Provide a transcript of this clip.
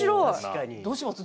どうします？